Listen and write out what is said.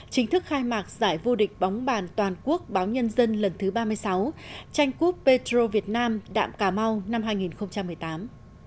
chính thức khai mạc giải vô địch bóng bàn toàn quốc báo nhân dân lần thứ ba mươi sáu tranh cúp petro việt nam đạm cà mau năm hai nghìn một mươi tám